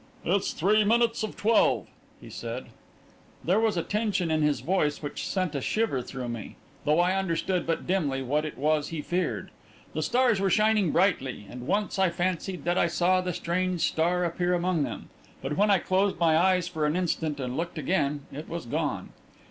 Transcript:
"It's three minutes of twelve," he said. There was a tension in his voice which sent a shiver through me, though I understood but dimly what it was he feared. The stars were shining brightly, and once I fancied that I saw the strange star appear among them; but when I closed my eyes for an instant and looked again, it was gone.